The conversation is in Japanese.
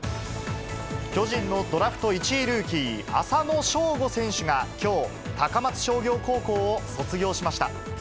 巨人のドラフト１位ルーキー、浅野翔吾選手がきょう、高松商業高校を卒業しました。